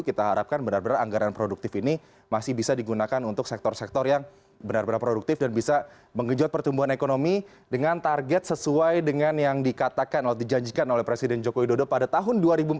kita harapkan benar benar anggaran produktif ini masih bisa digunakan untuk sektor sektor yang benar benar produktif dan bisa mengejut pertumbuhan ekonomi dengan target sesuai dengan yang dikatakan atau dijanjikan oleh presiden joko widodo pada tahun dua ribu empat puluh